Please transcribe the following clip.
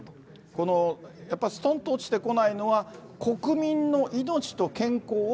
このやっぱりすとんと落ちてこないのは、国民の命と健康を、